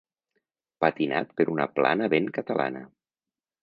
Patinat per una Plana ben catalana.